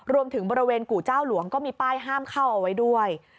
บริเวณกู่เจ้าหลวงก็มีป้ายห้ามเข้าเอาไว้ด้วย